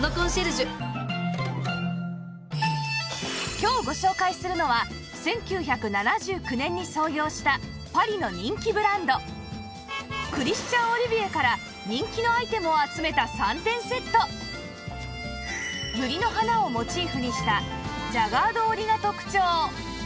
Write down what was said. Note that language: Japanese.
今日ご紹介するのはクリスチャン・オリビエから人気のアイテムを集めた３点セットユリの花をモチーフにしたジャガード織りが特徴